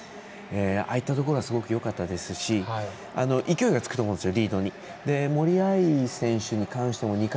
ああいったところはすごくよかったですし勢いがつくと思うんですよ